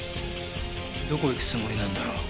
どこ行くつもりなんだろう。